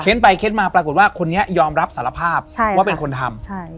ไปเค้นมาปรากฏว่าคนนี้ยอมรับสารภาพว่าเป็นคนทำ